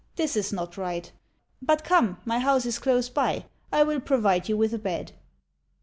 This is not right. But, come, my house is close by; I will provide you with a bed."